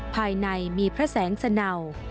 ภายในมีพระแสงสเนา